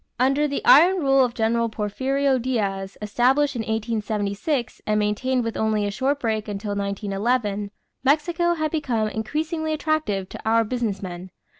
Under the iron rule of General Porfirio Diaz, established in 1876 and maintained with only a short break until 1911, Mexico had become increasingly attractive to our business men.